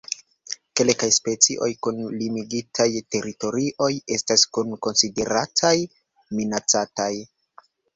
Kelkaj specioj kun limigitaj teritorioj estas nun konsiderataj minacataj.